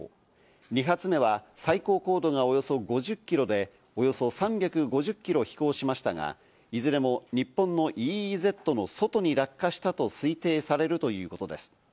２発目は最高高度がおよそ５０キロでおよそ３５０キロ飛行しましたが、いずれも日本のＥＥＺの外に落下したと推定されるということです。